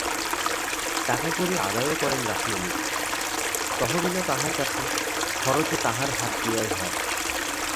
টাকাকড়ি আদায়ও করেন রাসমণি, তহবিলও তাঁহার কাছে, খরচও তাঁহার হাত দিয়াই হয়।